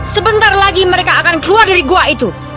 sebentar lagi mereka akan keluar dari gua itu